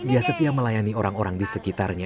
ia setia melayani orang orang di sekitarnya